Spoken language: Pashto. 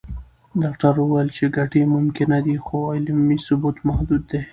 ډاکټره وویل چې ګټې ممکنه دي، خو علمي ثبوت محدود دی.